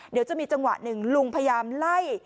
เดี๋ยวจะมีจังหวะหนึ่งลุงพยายามไล่